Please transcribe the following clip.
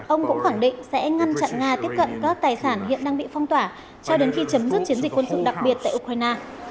ông cũng khẳng định sẽ ngăn chặn nga tiếp cận các tài sản hiện đang bị phong tỏa cho đến khi chấm dứt chiến dịch quân sự đặc biệt tại ukraine